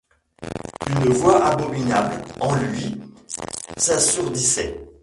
Une voix abominable, en lui, l’assourdissait.